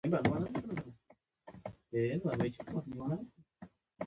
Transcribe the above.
د مطلق العنان حکومتونه په اسیا کې هم دود وو.